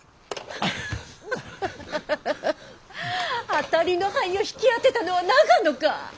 当たりの杯を引き当てたのは永野か。